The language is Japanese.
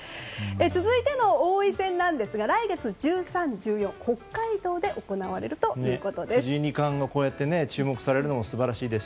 続いての王位戦ですが来月１３、１４北海道で行われるということです。